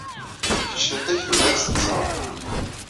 Kečč, tiṭ-ik tugi ad tt-tẓar.